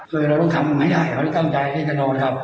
คือเราต้องทำให้ได้เขาต้องจ้างมันที่จะนอนครับ